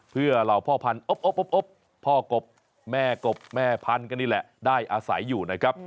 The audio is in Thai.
เพื่อเหล่าพ่อพันธอบพ่อกบแม่กบแม่พันธุ์นี่แหละได้อาศัยอยู่นะครับ